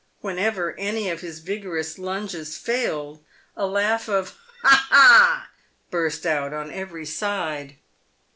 When ever any of his vigorous lunges failed, a laugh of " Ha ! ha !" burst out on every side.